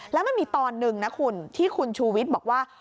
แล้วมันมีตอนหนึ่งนะคุณที่คุณชูวิทย์บอกว่า